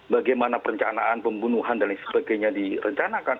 bagaimana perencanaan pembunuhan dan lain sebagainya direncanakan